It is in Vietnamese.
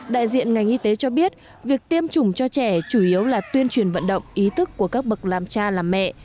đại diện ngành y tế cho biết việc tiêm chủng cho trẻ chủ yếu là tuyên truyền vận động ý thức của các bậc làm cha làm mẹ